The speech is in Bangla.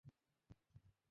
আমি টাকা ঠিক ফেরত দেব!